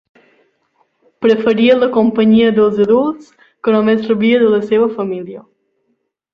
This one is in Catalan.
Preferia la companyia dels adults, que només rebia de la seva família.